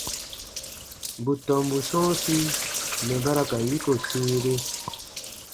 Bù tɔmbu sɔ̃ɔsi mɛ̀ ba ra ka yiko sĩire.